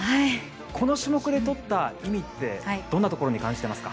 この種目でとった意味ってどんなふうに感じてますか？